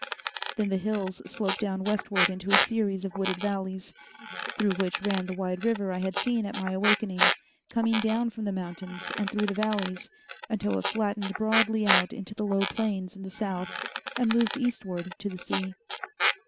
Then the hills sloped down westward into a series of wooded valleys, through which ran the wide river I had seen at my awakening, coming down from the mountains and through the valleys until it flattened broadly out into the low plains in the south and moved eastward to the sea.